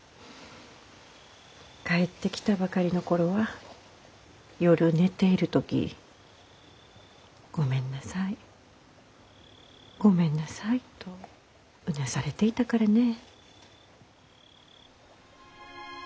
帰ってきたばかりの頃は夜寝ている時「ごめんなさいごめんなさい」とうなされていたからね。